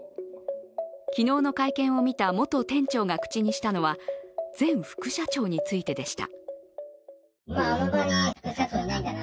昨日の会見を見た元店長が口にしたのは前副社長についてでした。